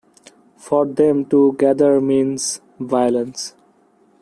For them to gather means violence.